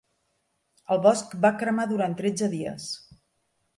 El bosc va cremar durant tretze dies.